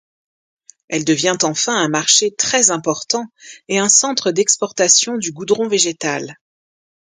Elle devient enfin un marché très important et un centre d'exportation du goudron végétal.